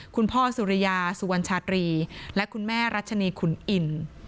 คุณพ่อสุริยาสุวรรณชาตรีและคุณแม่รัชนีขุนอิน